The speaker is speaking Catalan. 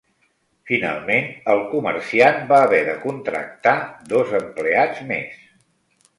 Finalment, el comerciant va haver de contractar dos empleats més.